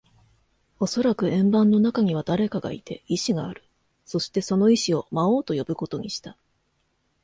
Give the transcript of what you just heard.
おそらく円盤の中には誰かがいて、意志がある。そして、その意思を魔王と呼ぶことにした。